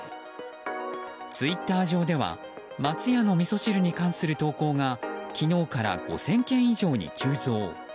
ツイッター上では松屋のみそ汁に関する投稿が昨日から５０００件以上に急増。